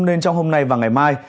nên trong hôm nay và ngày mai